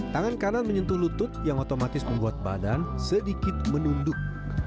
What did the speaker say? tangan kanan menyentuh lutut yang otomatis membuat badan sedikit menunduk